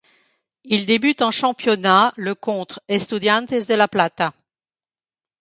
Il débute en Championnat le contre Estudiantes de La Plata.